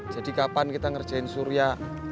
jadi kapan kita ngerjain surya